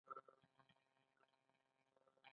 دا ډیره ښکلې او ابي ده.